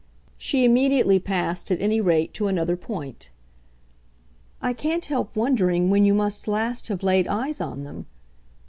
She immediately passed, at any rate, to another point: "I can't help wondering when you must last have laid eyes on them."